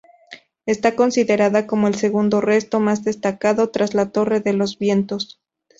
Está considerada como el segundo resto más destacado, tras la Torre de los Vientos.